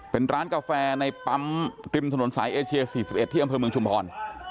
เป็นร้านกาแฟในปั๊มริมถนนสายเอเชีย๔๑ที่อำเภอเมืองชุมพร